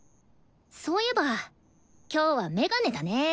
そういえば今日はメガネだね。